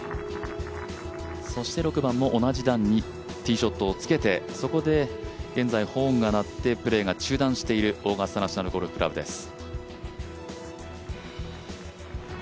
そして６番も同じ段にティーショットをつけてそこで現在ホーンが鳴ってプレーが中断しているオーガスタ・ナショナル・ゴルフクラブです。